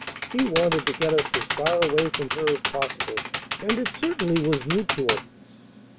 She wanted to get us as far away from her as possible. And it certainly was mutual."